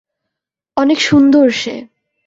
অনেক সুন্দর সে।